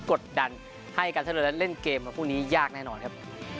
กดดันให้การท่าเรือนั้นเล่นเกมวันพรุ่งนี้ยากแน่นอนครับ